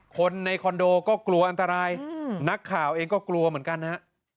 คนในคอนโดก็กลัวอันตรายนักข่าวเองก็กลัวเหมือนกันนะฮะ